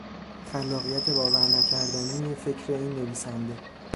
خلاقیت باور نکردنی فکر این نویسنده